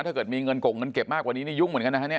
ถ้าเกิดมีเงินกงเงินเก็บมากกว่านี้นี่ยุ่งเหมือนกันนะฮะเนี่ย